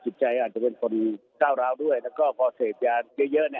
ใจอาจจะเป็นคนก้าวร้าวด้วยแล้วก็พอเสพยาเยอะเนี่ย